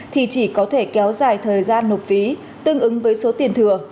thì chỉ có thể kéo dài thời gian nộp phí tương ứng với số tiền thừa